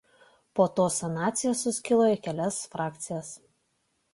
Po to Sanacija suskilo į kelias frakcijas.